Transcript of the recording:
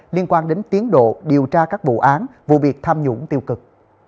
liên quan đến tiến độ điều tra các bộ án vụ biệt tham nhũng tiêu cực